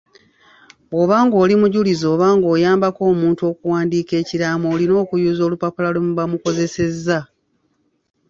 Bw’oba ng’oli mujulizi oba ng’oyambako omuntu okuwandiika ekiraamo olina okuyuza olupapula lwemuba mukozesezza.